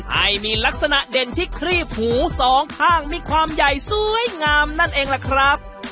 ให้มีลักษณะเด่นที่ครีบหูสองข้างมีความใหญ่สวยงามนั่นเองล่ะครับ